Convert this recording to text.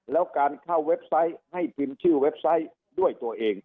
แล้วการเข้าเว็บไซต์ให้พิมพ์ชื่อเว็บไซต์ด้วยตัวเอง